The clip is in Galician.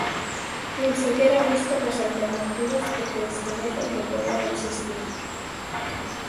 Nin sequera buscan as alternativas, porque descoñecen que poidan existir.